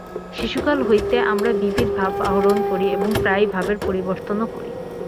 শিশুকাল হইতেই আমরা বিবিধ ভাব আহরণ করি এবং প্রায়ই ভাবের পরিবর্তনও করি।